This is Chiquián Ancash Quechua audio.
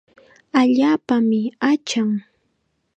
Allaapami achan.